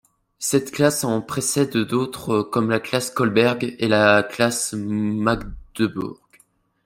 Cette classe en précède d'autres comme la classe Kolberg et la classe Magdeburg.